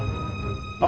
oke dah nih